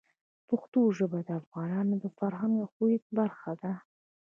پښتو ژبه د افغانانو د فرهنګ او هویت برخه ده.